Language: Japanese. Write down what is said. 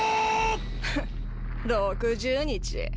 フッ６０日？